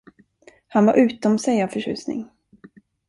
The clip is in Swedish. Han var utom sig av förtjusning.